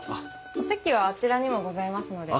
お席はあちらにもございますので。